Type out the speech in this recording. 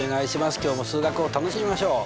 今日も数学を楽しみましょう。